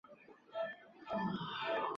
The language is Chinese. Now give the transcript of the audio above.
圣日耳曼村人口变化图示